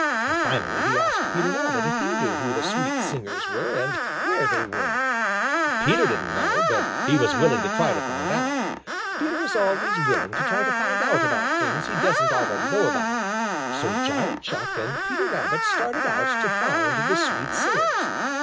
Finally he asked Peter Rabbit if he knew who the sweet singers were and where they were. Peter didn't know, but he was willing to try to find out. Peter is always willing to try to find out about things he doesn't already know about. So Johnny Chuck and Peter Rabbit started out to find the sweet singers.